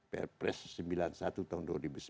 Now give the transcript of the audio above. perpres sembilan puluh satu tahun dua ribu sembilan belas